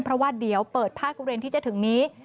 เพราะว่าเดี๋ยวเปิดภาคทุเรียนที่จะถึงนี้